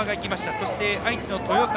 そして、愛知の豊川。